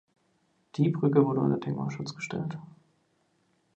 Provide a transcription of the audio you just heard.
Die Brücke wurde unter Denkmalschutz gestellt.